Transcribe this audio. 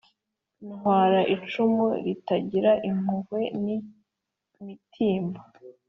Ntwara icumu ritagira impuhwe nk'imitimba